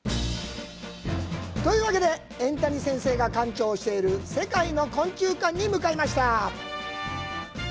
というわけで、円谷先生が館長をしている世界の昆虫館に向かいました。